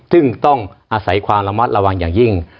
ซึ่งต้องอาศัยความระมัดระวังอย่างยิ่ง